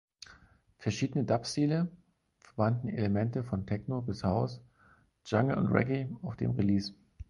Verschiedene Dub-Stile verbanden Elemente von Techno bis House, Jungle und Reggae auf dem Release.